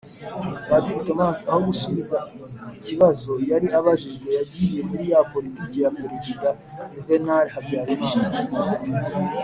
Padiri Thomas, aho gusubiza ikibazo yari abajiwe, yagiye muri ya politike ya Prezida Yuvenali Habyarimana